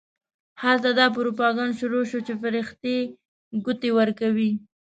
هلته دا پروپاګند شروع شو چې فرښتې ګوتې ورکوي.